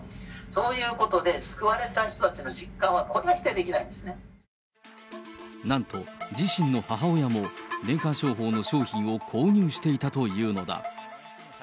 そういうことで、救われた人たちの実感は、これは否定できないでなんと、自身の母親も霊感商法の商品を購入していたというのだ。